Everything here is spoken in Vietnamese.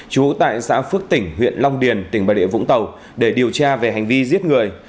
trú tại xã phước tỉnh huyện long điền tỉnh bà địa vũng tàu để điều tra về hành vi giết người